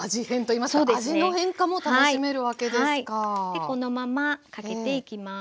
でこのままかけていきます。